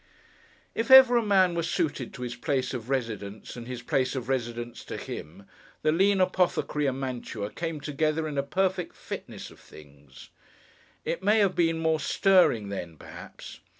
If ever a man were suited to his place of residence, and his place of residence to him, the lean Apothecary and Mantua came together in a perfect fitness of things. It may have been more stirring then, perhaps.